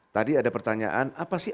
tadi ada pertanyaan apa sih